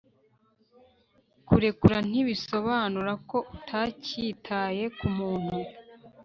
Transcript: kurekura ntibisobanura ko utakitaye ku muntu